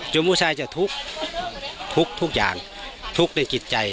ผู้ชายจะทุกข์ทุกอย่างทุกข์ในจิตใจ